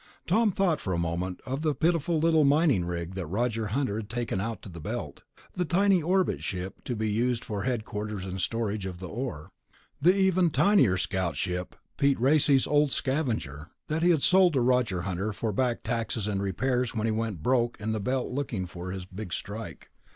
Tom thought for a moment of the pitiful little mining rig that Roger Hunter had taken out to the Belt ... the tiny orbit ship to be used for headquarters and storage of the ore; the even tinier scout ship, Pete Racely's old Scavenger that he had sold to Roger Hunter for back taxes and repairs when he went broke in the Belt looking for his Big Strike.